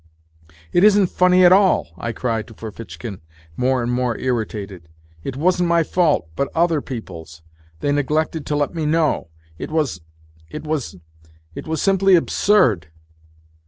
" It isn't funny at all !" I cried to Ferfitchkin, more and more irritated. " It wasn't my fault, but other people's. They neglected to let me know. It was .. it was ... it was simply absurd."